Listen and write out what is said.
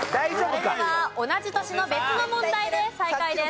それでは同じ年の別の問題で再開です。